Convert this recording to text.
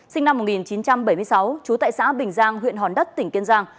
sinh năm một nghìn chín trăm bảy mươi sáu trú tại xã bình giang huyện hòn đất tỉnh kiên giang